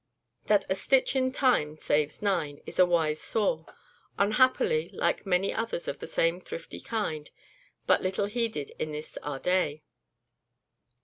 That "a stitch in time saves nine," is a wise saw; unhappily, like many others of the same thrifty kind, but little heeded in this our day.